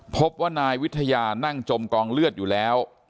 พบว่านายวิทยานั่งจมกองเลือดอยู่แล้ว